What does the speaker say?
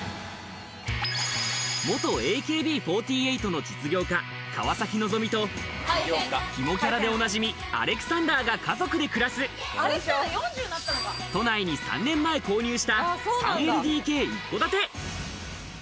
元ＡＫＢ４８の実業家・川崎希と、ヒモキャラでおなじみアレクサンダーが家族で暮らす、都内に３年前購入した３ＬＤＫ一戸建て。